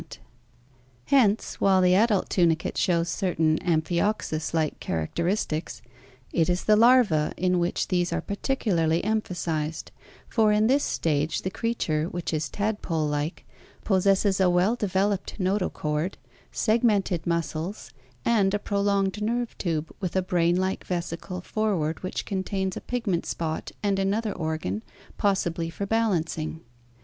ORIGIN OF VERTEBRATES 473 Henoe, while the adult tunicate shows certain Amphtoxus likz characteristics, it is the larva in which these are particularly em phasized, for in this stage the creature, which is tadpole like, possesses a well developed notochord, segmented muscles, and a pro longed nerve tube with a brain like vesicle forward which contains a pigment spot and another organ, possibly for balancing.